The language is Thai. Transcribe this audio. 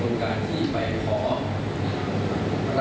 รายการก็มีความเห็นตามสัตว์ไม่พร้อม